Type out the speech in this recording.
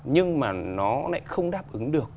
nhưng mà nó lại không đáp ứng được